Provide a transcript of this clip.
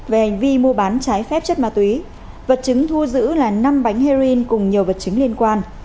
về hành vi mua bán trái phép chất ma túy vật chứng thu giữ là năm bánh heroin cùng nhiều vật chứng liên quan